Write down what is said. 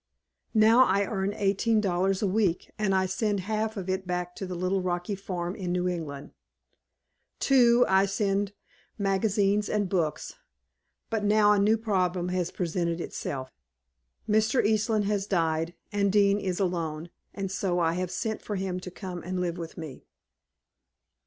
"Now I earn eighteen dollars a week and I send half of it back to the little rocky farm in New England. Too, I send magazines and books, but now a new problem has presented itself. Mr. Eastland has died, and Dean is alone, and so I have sent for him to come and live with me.